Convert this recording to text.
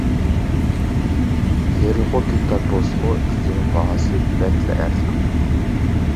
تېرىلغۇ كۆكتات بولسىمۇ كۈدىنىڭ باھاسى بەكلا ئەرزان.